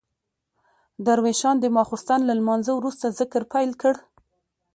درویشان د ماخستن له لمانځه وروسته ذکر پیل کړ.